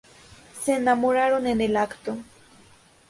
Se enamoraron en el acto.